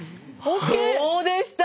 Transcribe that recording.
どうでした？